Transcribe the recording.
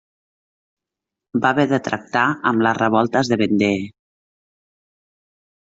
Va haver de tractar amb les revoltes de Vendée.